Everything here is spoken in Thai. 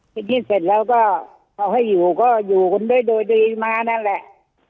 ทีนี้เสร็จแล้วก็เอาให้อยู่ก็อยู่กันด้วยโดยดีมานั่นแหละ